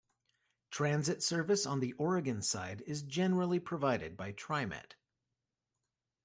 Transit service on the Oregon side is generally provided by TriMet.